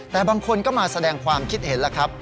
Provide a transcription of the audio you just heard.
แต่บางคนก็มาแสดงความคิดเห็นแล้วครับ